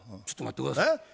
ちょっと待って下さい。